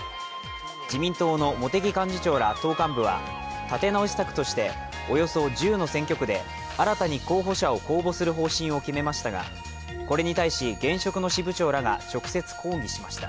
自民党の茂木幹事長ら党幹部は、立て直し策としておよそ１０の選挙区で新たに候補者を公募する方針を決めましたがこれに対し、現職の支部長らが直接抗議しました。